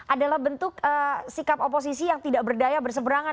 adalah bentuk sikap oposisi yang tidak berdaya berseberangan